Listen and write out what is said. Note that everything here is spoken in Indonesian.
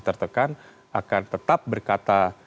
tertekan akan tetap berkata